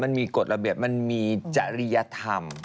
มันมีกฎระเบียบมันมีจริยธรรม